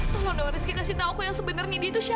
tolong doang rizky kasih tau aku yang sebenarnya dia itu siapa